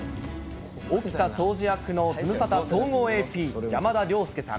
沖田総司役のズムサタ総合ＡＰ、山田涼介さん。